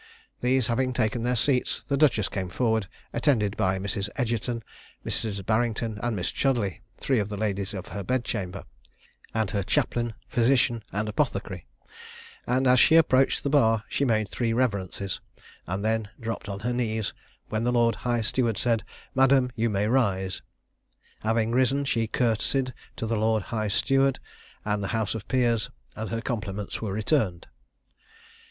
These having taken their seats, the duchess came forward, attended by Mrs. Edgerton, Mrs. Barrington, and Miss Chudleigh, three of the ladies of her bedchamber, and her chaplain, physician, and apothecary; and as she approached the bar she made three reverences, and then dropped on her knees, when the lord high steward said, "Madam, you may rise." Having risen, she courtesied to the lord high steward and the house of peers, and her compliments were returned.